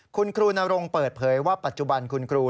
คุณครูนรงค์เปิดเผยว่าปัจจุบันคุณครู